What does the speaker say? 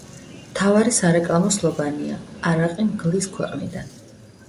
მთავარი სარეკლამო სლოგანია „არაყი მგლის ქვეყნიდან“.